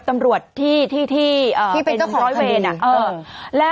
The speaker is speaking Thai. ปรากฏว่าสิ่งที่เกิดขึ้นคลิปนี้ฮะ